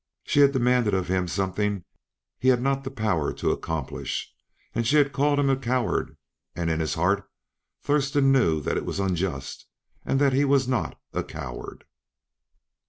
She had demanded of him something he had not the power to accomplish, and she had called him a coward. And in his heart Thurston knew that it was unjust, and that he was not a coward.